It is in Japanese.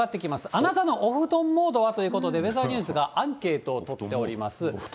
あなたのお布団モードは？ということで、ウエザーニュースがアンケートを取っております。